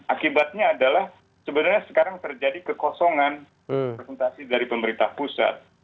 akibatnya adalah sebenarnya sekarang terjadi kekosongan presentasi dari pemerintah pusat